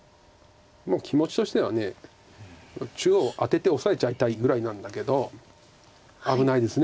もう気持ちとしては中央アテてオサえちゃいたいぐらいなんだけど危ないです。